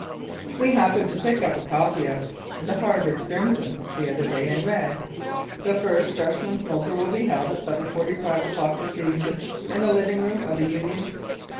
We happened to pick up a copy of "The Harvard Crimson" the other day and read: "The first freshman smoker will be held at 7.45 o'clock this evening in the living room of the Union.